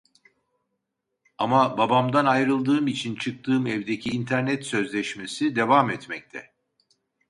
Ama babamdan ayrıldığım için çıktığım evdeki internet sözleşmesi devam etmekte